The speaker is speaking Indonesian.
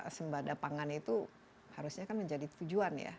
kita sembadapangan itu harusnya kan menjadi tujuan ya